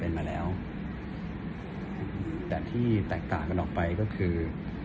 เป็นมาแล้วแต่ที่แตกต่างกันออกไปก็คือ